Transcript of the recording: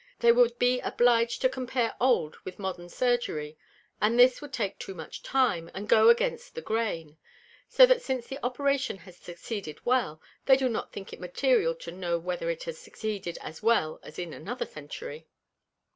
They would be oblig'd to compare Old with Modern Surgery; and this wou'd take too much Time, and go against the Grain: So that since the Operation hath succeeded well, they do not think it material to know whether it had succeeded as well in another Century.